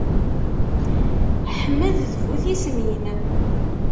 Ḥmed d bu tismin.